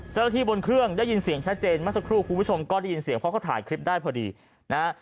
เจ้าหน้าที่บนเครื่องได้ยินเสียงชัดเจนเมื่อสักครู่คุณผู้ชมก็ได้ยินเสียงเพราะเขาถ่ายคลิปได้พอดีนะฮะ